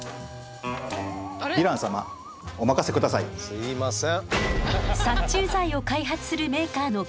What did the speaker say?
すみません。